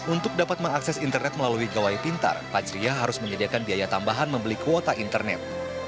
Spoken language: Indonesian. untuk dapat mengakses internet melalui gawai pintar pajriah harus menyediakan biaya tambahan membeli kuota internet